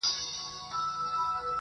قلاګانو کي په جګو تعمیرو کي!.